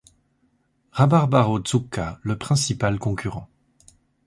Rabarbaro Zucca, le principal concurrent.